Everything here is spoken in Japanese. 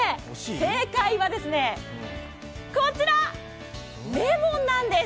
正解はですね、こちら、レモンなんです。